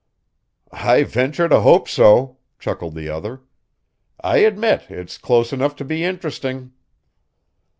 "I venture to hope so," chuckled the other. "I admit it's close enough to be interesting."